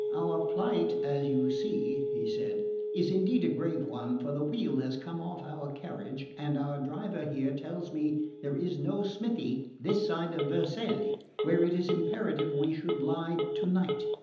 "Our plight, as you see," he said, "is indeed a grave one; for the wheel has come off our carriage and my driver here tells me there is no smithy this side Vercelli, where it is imperative we should lie tonight.